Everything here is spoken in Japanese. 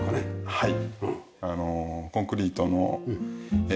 はい。